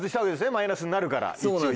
マイナスになるから。